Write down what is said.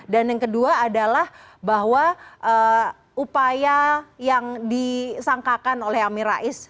dan yang kedua adalah bahwa upaya yang disangkakan oleh amir rais